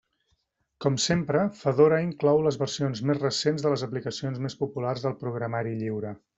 Com sempre, Fedora inclou les versions més recents de les aplicacions més populars del programari lliure.